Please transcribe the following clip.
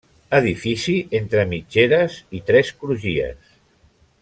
Edifici entre mitgeres i tres crugies.